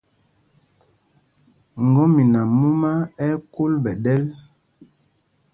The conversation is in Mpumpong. Ŋgɔmina mumá ɛ́ ɛ́ kúl ɓɛ̌ ɗɛl.